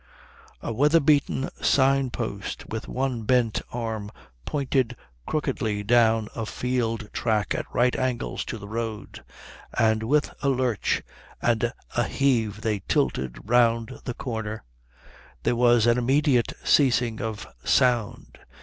A weather beaten sign post with one bent arm pointed crookedly down a field track at right angles to the road, and with a lurch and a heave they tilted round the corner. There was an immediate ceasing of sound.